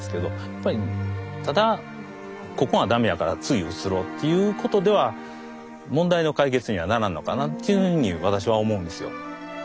やっぱりただここが駄目やから次移ろうっていうことでは問題の解決にはならんのかなっていうふうに私は思うんですよ。